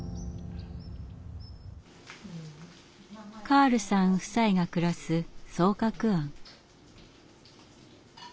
カールさん夫妻が暮らす双鶴庵。